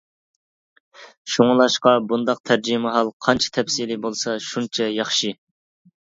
شۇڭلاشقا بۇنداق تەرجىمىھال قانچە تەپسىلىي بولسا شۇنچە ياخشى.